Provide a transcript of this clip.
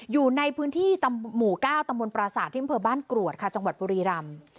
อยู่ในพื้นที่หมู่ก้าวตำรวนประสาทที่อำเภอบ้านกรวดจังหวัดบรีรำ